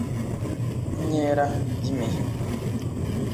inkera y'imihigo